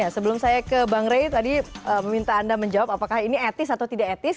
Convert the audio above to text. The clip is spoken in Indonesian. sebelum saya ke bang ray tadi meminta anda menjawab apakah ini etis atau tidak etis